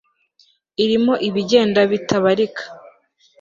Irimo ibigenda bitabarika